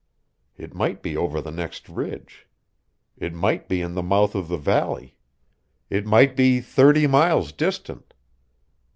It might be over the next ridge. It might be in the mouth of the valley. It might be thirty miles distant.